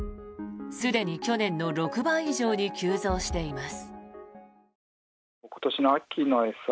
すでに去年の６倍以上に急増しています。